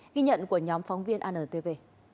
ghi nhận của nhóm phóng viên anntv